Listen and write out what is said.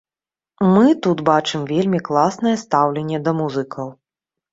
Мы тут бачым вельмі класнае стаўленне да музыкаў.